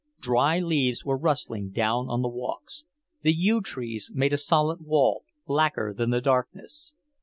Dry leaves were rustling down on the walks; the yew trees made a solid wall, blacker than the darkness.